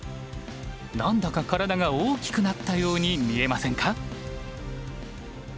何だか体が大きくなったように見えませんか？